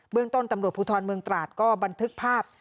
เมืองต้นตำรวจภูทรเมืองตราดก็บันทึกภาพ